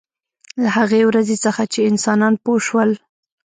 له هغې ورځې څخه چې انسانان پوه شول.